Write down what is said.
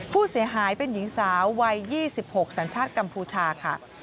ผู้เสียหายเป็นหญิงสาววัย๒๖สัญชาติกัมพูชาค่ะ